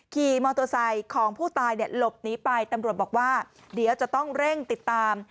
ขี่มอเตอร์ไซค์ของผู้ตายเนี่ยหลบหนีไปตำรวจบอกว่าเดี๋ยวจะต้องเร่งติดตาม